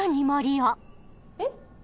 えっ？